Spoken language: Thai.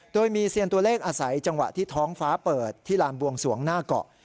โดยมีเซียนตัวเลขอาศัยจังหวะที่ท้องฟ้าเปิดที่ลานบวงสวงหน้าเกาะ